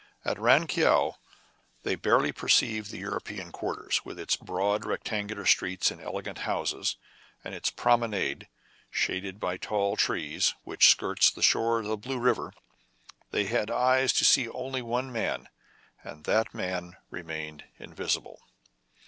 At Ran Keou they barely perceived the Euro pean quarter, with its broad, rectangular streets and elegant houses, and its promenade shaded by tall trees, which skirts the shore of the Blue River. They had eyes to see only one man, and that man remained invisible.